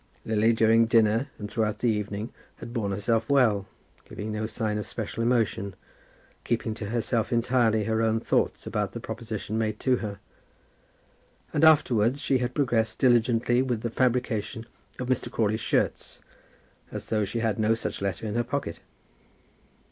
Lily during dinner and throughout the evening had borne herself well, giving no sign of special emotion, keeping to herself entirely her own thoughts about the proposition made to her. And afterwards she had progressed diligently with the fabrication of Mr. Crawley's shirts, as though she had no such letter in her pocket.